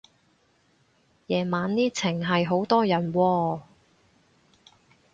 夜晚呢程係好多人喎